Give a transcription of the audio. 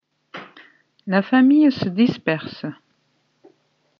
La famille se disperse.